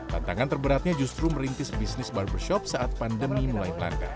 tantangan terberatnya justru merintis bisnis barbershop saat pandemi mulai melanda